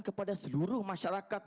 kepada seluruh masyarakat